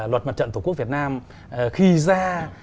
luật mặt trận thủ quốc việt nam khi ra